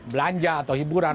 belanja atau hiburan